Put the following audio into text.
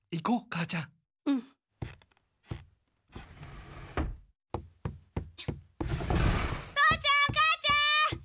父ちゃん母ちゃん。